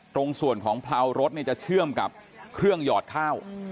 ตรงส่วนของเพรารถจะเชื่อมกับเครื่องหยอดข้าว